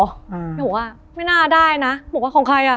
แม่บอกว่าไม่น่าได้นะบอกว่าของใครอ่ะ